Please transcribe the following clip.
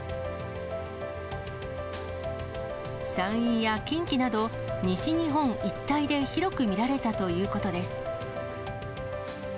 山陰や近畿など、西日本一帯で広く見られたということです。